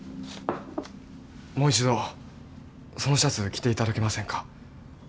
もう一度そのシャツ着ていただけませんか？